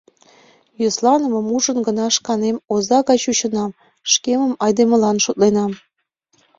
Йӧсланымым ужын гына шканем оза гай чучынам, шкемым айдемылан шотленам.